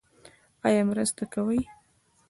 ایا مرسته کوئ؟